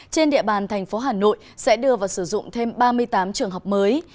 trên địa bàn tp hà nội sẽ đưa và sử dụng thêm ba mươi tám trường học mới